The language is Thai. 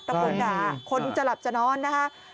คนด่าคนจะหลับจะนอนนะคะ